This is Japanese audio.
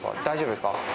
大丈夫ですか。